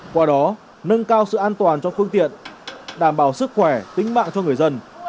qua đó nâng cao sự an toàn cho phương tiện đảm bảo sức khỏe tính mạng cho người dân